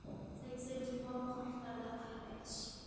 سەككىزىنچى، مۇۋاپىق مىقداردا قەھۋە ئىچىش.